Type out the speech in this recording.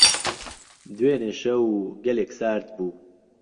دوێنێ شەو گەلێک سارد بوو.